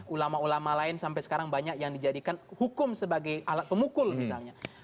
ulama ulama lain sampai sekarang banyak yang dijadikan hukum sebagai alat pemukul misalnya